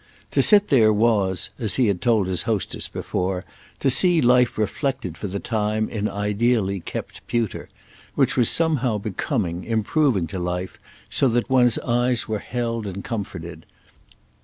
To sit there was, as he had told his hostess before, to see life reflected for the time in ideally kept pewter; which was somehow becoming, improving to life, so that one's eyes were held and comforted.